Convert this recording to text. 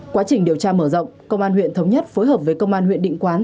quá trình điều tra mở rộng công an huyện thống nhất phối hợp với công an huyện định quán